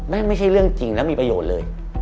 ไม่ใช่เรื่องจริงแล้วมีประโยชน์เลย